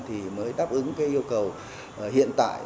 thì mới đáp ứng cái yêu cầu hiện tại